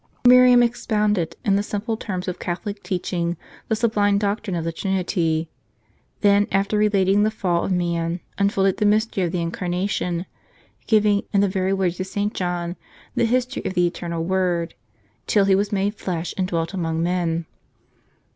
Miriam expounded, in the simple terms of Catholic teach ing, the sublime doctrine of the Trinity ; then after relating the fall of man, unfolded the mystery of the Incarnation, giv ing, in the very words of St. John, the history of the Eternal Word, till He was made flesh, and dwelt among men.